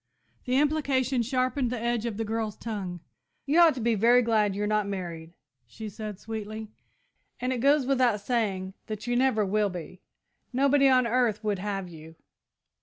The implication sharpened the edge of the girl's tongue. "You ought to be very glad you're not married," she said sweetly; "and it goes without saying that you never will be. Nobody on earth would have you!"